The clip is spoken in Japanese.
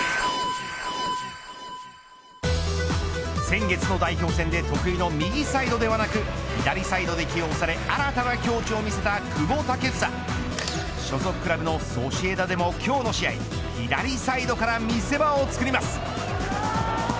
先月の代表戦で得意の右サイドではなく左サイドで起用され新たな境地を見せた久保建英所属クラブのソシエダでも今日の試合左サイドから見せ場をつくります。